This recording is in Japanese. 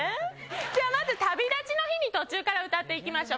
では、まず、旅だちの日に、途中から歌っていきましょう。